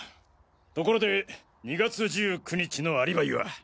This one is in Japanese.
ところで２月１９日のアリバイは？